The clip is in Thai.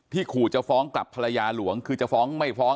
ขู่จะฟ้องกลับภรรยาหลวงคือจะฟ้องไม่ฟ้อง